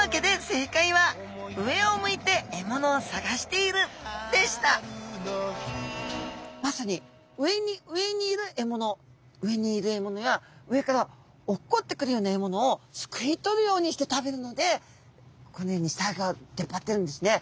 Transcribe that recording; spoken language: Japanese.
というわけでまさに上に上にいる獲物上にいる獲物や上から落っこってくるような獲物をすくい取るようにして食べるのでこのように下あギョが出っ張ってるんですね。